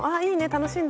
楽しんで！